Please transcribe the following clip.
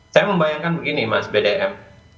saya membayangkan begini mas bdm